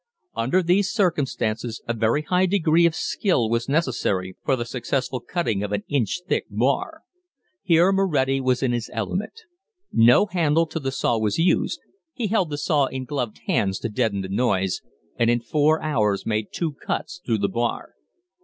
Under these circumstances a very high degree of skill was necessary for the successful cutting of an inch thick bar. Here Moretti was in his element. No handle to the saw was used; he held the saw in gloved hands to deaden the noise, and in four hours made two cuts through the bar.